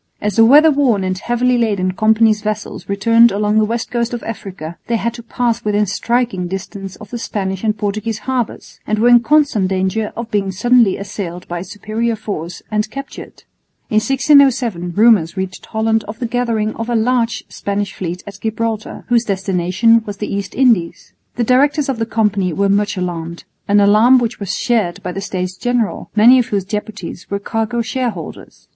As the weather worn and heavily laden Company's vessels returned along the west coast of Africa, they had to pass within striking distance of the Spanish and Portuguese harbours and were in constant danger of being suddenly assailed by a superior force and captured. In 1607 rumours reached Holland of the gathering of a large Spanish fleet at Gibraltar, whose destination was the East Indies. The directors of the Company were much alarmed, an alarm which was shared by the States General, many of whose deputies were cargo shareholders.